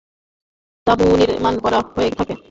তাঁবু নির্মাণ করা হয়ে থাকে।